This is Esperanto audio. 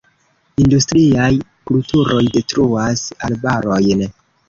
Industriaj kulturoj detruas arbarojn.